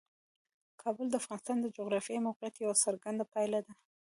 کابل د افغانستان د جغرافیایي موقیعت یوه څرګنده پایله ده.